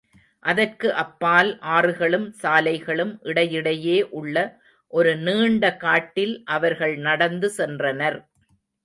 அதற்கு அப்பால் ஆறுகளும் சாலைகளும் இடையிடையே உள்ள ஒரு நீண்ட காட்டில் அவர்கள் நடந்து சென்றனர்.